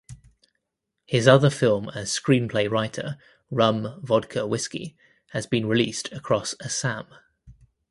His other film as screenplay writer "Rum Vodka Whisky" has been released across Assam.